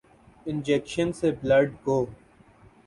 injection سے blood کو